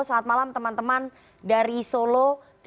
selamat malam teman teman dari solo